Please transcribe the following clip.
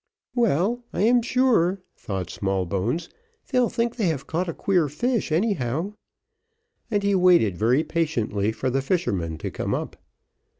"Well, I am sure," thought Smallbones, "they'll think they have caught a queer fish anyhow:" and he waited very patiently for the fisherman to come up.